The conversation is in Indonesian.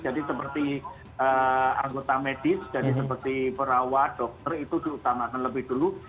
jadi seperti anggota medis jadi seperti perawat dokter itu diutamakan lebih dulu